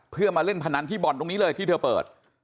เพื่อมาเล่นพนันที่บ่อนตรงนี้เลยที่เธอเปิด